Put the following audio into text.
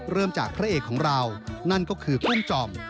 เริ่มจากพระเอกของเรานั่นก็คือกุ้งจอม